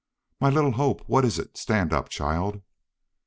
"My little Hope, what is it? Stand up, child."